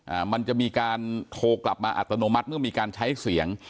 มันจะมีการโทรกลับมาอัตโนมัติเมื่อมีการใช้เสียง